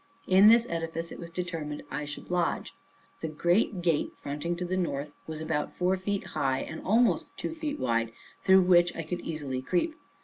In this edifice it was determined I should lodge. The great gate fronting to the north, was about four feet high, and almost two feet wide, through which I could easily creep.